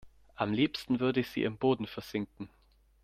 Am liebsten würde sie im Boden versinken.